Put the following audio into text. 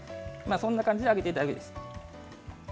そんな感じで揚げていただきます。